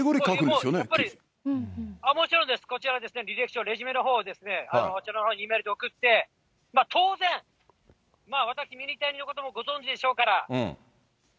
もちろんです、履歴書、レジュメのほう、あちらのほうに送って、当然、私、ミニタニのこともご存じでしょうから。